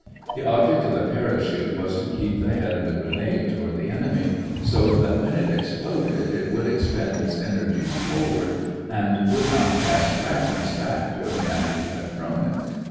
The object of the parachute was to keep the head of the grenade toward the enemy, so that when it exploded it would expend its energies forward and would not cast fragments back toward the man who had thrown it.